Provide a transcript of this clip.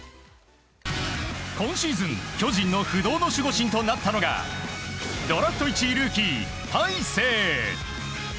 今シーズン、巨人の不動の守護神となったのはドラフト１位ルーキー、大勢。